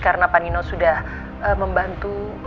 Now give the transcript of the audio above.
karena panino sudah membantu